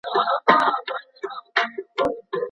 د قلم رنګونه د زده کوونکو پام ساتي.